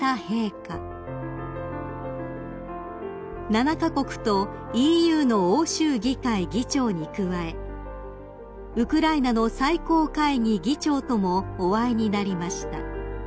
［７カ国とＥＵの欧州議会議長に加えウクライナの最高会議議長ともお会いになりました］